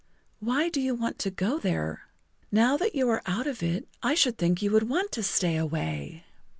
Why do you want to go there? Now that you are out of it I[Pg 39] should think you would want to stay away."